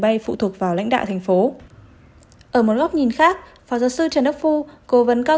bay phụ thuộc vào lãnh đạo thành phố ở một góc nhìn khác phó giáo sư trần đức phu cố vấn cao